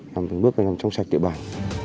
làm từng bước để làm trong sạch tiệm bản